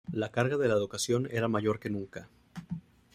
La carga de la educación era mayor que nunca.